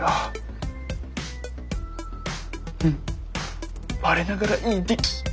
うん我ながらいい出来。